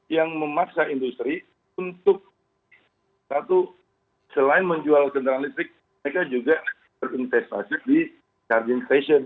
yang memaksa industri untuk satu selain menjual kendaraan listrik mereka juga berinvestasi di charging station